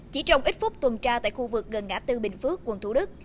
chỉ trong ít phút tuần tra tại khu vực gần ngã tư bình phước quận thủ đức